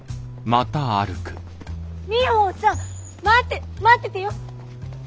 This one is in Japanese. ミホさん待って待っててよ。